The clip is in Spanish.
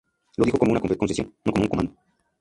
Lo digo como una concesión, no como un comando.